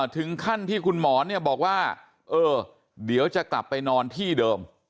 ถึงขั้นที่คุณหมอเนี่ยบอกว่าเออเดี๋ยวจะกลับไปนอนที่เดิม